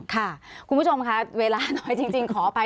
ค่ะคุณผู้ชมค่ะเวลาน้อยจริงขออภัย